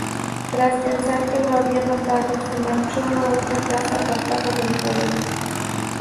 Tras pensar que lo había matado, se marchó a una casa apartada del pueblo.